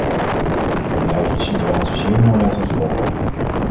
We blijven de situatie zeer nauwlettend volgen.